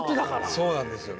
そうなんですよね。